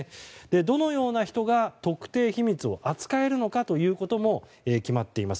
どのような人が特定秘密を扱えるのかということも決まっています。